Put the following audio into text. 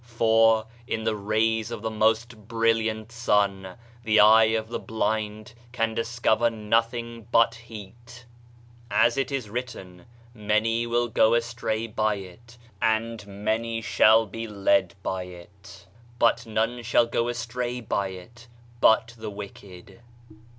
For, in the rays of the most brilliant sun. The eye of the blind can discover nothing but heat" As it is written : "Many will go astray by it, and many shall be led by it; but none shall go astray by it but the wicked."